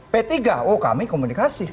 p tiga oh kami komunikasi